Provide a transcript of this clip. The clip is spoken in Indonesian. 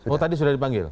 oh tadi sudah dipanggil